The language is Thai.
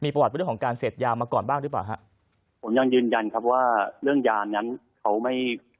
ประวัติเรื่องของการเสพยามาก่อนบ้างหรือเปล่าฮะผมยังยืนยันครับว่าเรื่องยานั้นเขาไม่